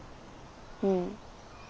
うん。